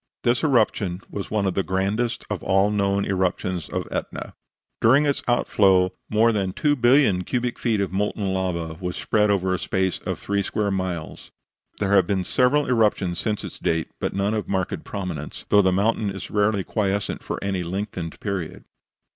This eruption was one of the grandest of all the known eruptions of Etna. During its outflow more than 2,000,000,000 cubic feet of molten lava was spread out over a space of three square miles. There have been several eruptions since its date, but none of marked prominence, though the mountain is rarely quiescent for any lengthened period.